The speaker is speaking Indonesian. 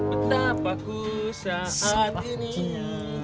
betapa ku saat ini